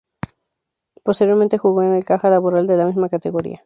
Posteriormente jugó en el Caja Laboral de la misma categoría.